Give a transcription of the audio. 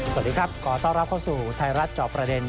สวัสดีครับขอต้อนรับเข้าสู่ไทยรัฐจอบประเด็น